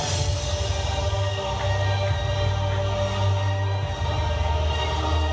สุดยอดเมื่อกี้พุ่งอะไรแล้วอยู่ดีคือออกประตูไปได้ด้วยการทรงตัว